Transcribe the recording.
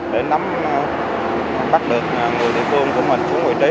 để nắm bắt được người địa phương của mình xuống vị trí